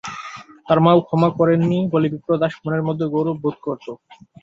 তার মাও ক্ষমা করেন নি বলে বিপ্রদাস মনের মধ্যে গৌরব বোধ করত।